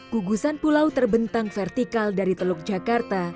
gugusan pulau terbentang vertikal dari teluk jakarta